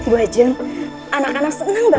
bu ajam anak anak senang gak